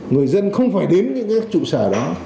người dân không phải đến những trụ sở đó